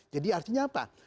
jadi artinya apa